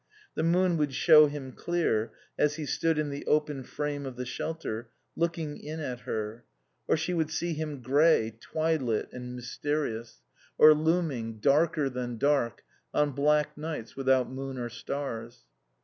The moon would show him clear, as he stood in the open frame of the shelter, looking in at her; or she would see him grey, twilit and mysterious; or looming, darker than dark, on black nights without moon or stars.